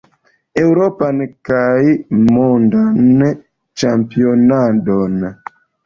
Eŭropan kaj Mondan Ĉampionadon.